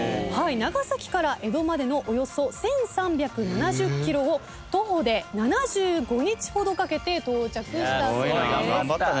長崎から江戸までのおよそ１，３７０ｋｍを徒歩で７５日ほどかけて到着したそうです。